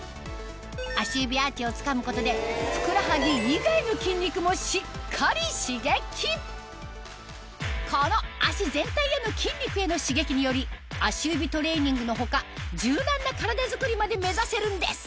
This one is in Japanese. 足指アーチをつかむことでふくらはぎ以外の筋肉もしっかり刺激この脚全体への筋肉への刺激により足指トレーニングの他柔軟な体づくりまで目指せるんです